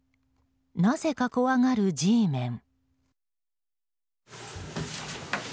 なぜか怖がるＧメン。